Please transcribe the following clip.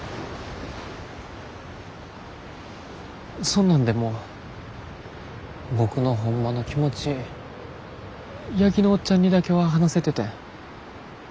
そんなんでも僕のホンマの気持ち八木のおっちゃんにだけは話せててん。